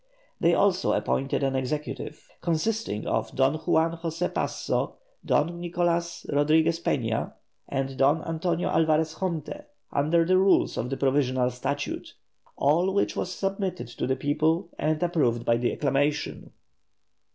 They also appointed an executive, consisting of Don Juan José Passo, Don Nicolas Rodriguez Peña, and Don Antonio Alvarez Jonte, under the rules of the Provisional Statute. All which was submitted to the people and approved of by acclamation.